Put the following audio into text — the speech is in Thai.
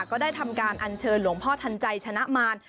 ก็ได้ทำการอัญเชิญหลวงพ่อทันใจชนะมาร